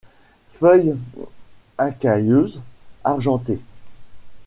Feuilles écailleuses argentées.